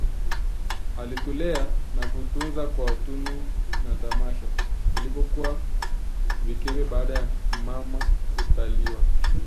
Alitulea na kukutunza kwa tunu na tamasha tulipokuwa vikembe baada ya mama kutalikiwa